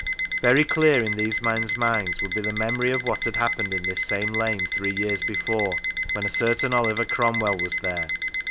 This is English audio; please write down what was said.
Very clear in these men's minds would be the memory of what had happened in this same lane three years before, when a certain Oliver Cromwell was there.